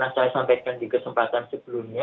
saya sampaikan di kesempatan sebelumnya